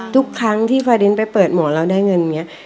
ทุกครั้งที่ฟาดินไปเปิดหมอแล้วได้เงินอย่างนี้